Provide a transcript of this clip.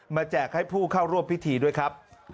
แจกให้ผู้เข้าร่วมพิธีด้วยครับ